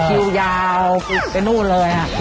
คิวยาวไปนู่นเลย